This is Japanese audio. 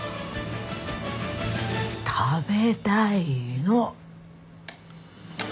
食べたいの。